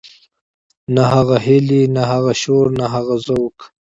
نه هغه هيلې نه هغه شور نه هغه ذوق.